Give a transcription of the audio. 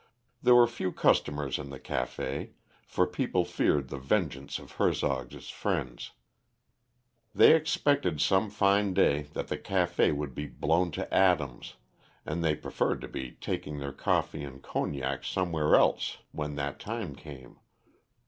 There were few customers in the café, for people feared the vengeance of Hertzog's friends. They expected some fine day that the café would be blown to atoms, and they preferred to be taking their coffee and cognac somewhere else when that time came.